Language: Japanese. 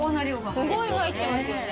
すごい入ってますよね。